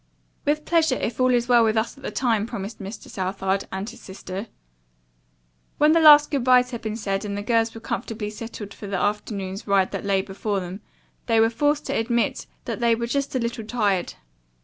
"With pleasure if all is well with us at that time," promised Mr. Southard, and his sister. When the last good byes had been said and the girls were comfortably settled for the afternoon's ride that lay before them they were forced to admit that they were just a little tired.